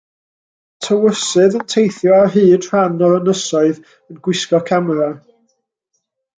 Tywysydd yn teithio ar hyd rhan o'r Ynysoedd yn gwisgo camera.